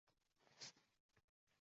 Men qariganman